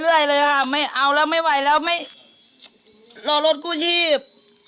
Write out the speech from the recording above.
ไม่ได้เลยค่ะเอาแล้วไม่ไหวแล้วรอรถกู้ชีพ